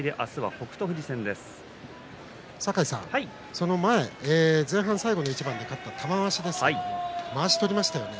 その前、前半最後の一番で勝った玉鷲ですがまわしを取りましたね。